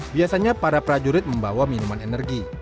biasanya para prajurit membawa minuman energi